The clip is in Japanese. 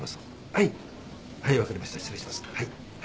はい。